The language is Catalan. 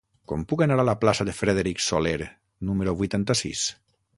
Com puc anar a la plaça de Frederic Soler número vuitanta-sis?